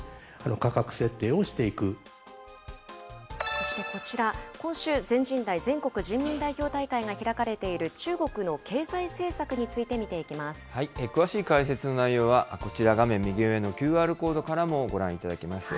そしてこちら、今週、全人代・全国人民代表大会が開かれている中国の経済政策について詳しい解説の内容は、こちら、画面右上のＱＲコードからもご覧いただけます。